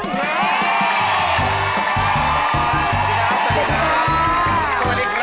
สวัสดีครับสวัสดีครับ